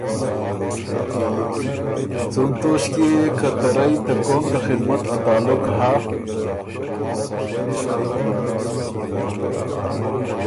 څُون توݭکيې يې که رئ ته قوم ته خدمت ا تعلق هۀ۔